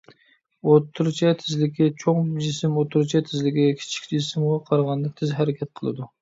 ئوتتۇرىچە تېزلىكى چوڭ جىسىم ئوتتۇرىچە تېزلىكى كىچىك جىسىمغا قارىغاندا تېز ھەرىكەت قىلىدۇ.